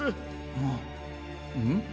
あっん？